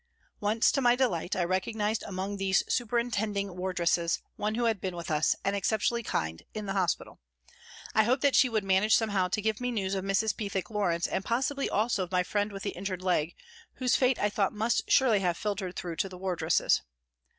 Once, to my delight, I recognised among these superintending wardresses one who had been with us, and exceptionally kind, in hospital. I hoped that she would manage somehow to give me news of Mrs. Pethick Lawrence and possibly also of my friend with the injured leg, whose fate I thought must surely have filtered through to the wardresses.